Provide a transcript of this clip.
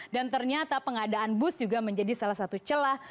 dan ternyata pengadaan bus juga menjadi salah satu celah